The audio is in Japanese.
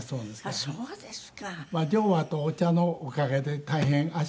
あっそうですか。